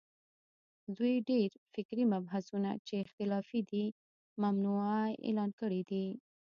دوی ډېر فکري مبحثونه چې اختلافي دي، ممنوعه اعلان کړي دي